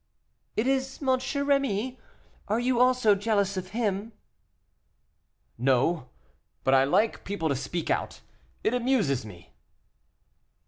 "It is M. Rémy; are you also jealous of him?" "No, but I like people to speak out, it amuses me."